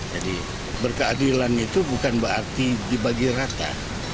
jadi berkeadilan itu bukan berarti dibagi rata